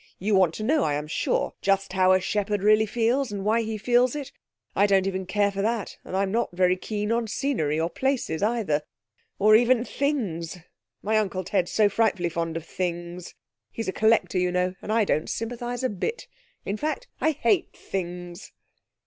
You want to know, I'm sure, just how a shepherd really feels, and why he feels it. I don't even care for that, and I'm not very keen on scenery, or places either, or even things. My Uncle Ted's so frightfully fond of Things. He's a collector, you know, and I don't sympathise a bit. In fact, I hate things.'